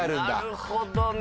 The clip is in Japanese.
なるほどね。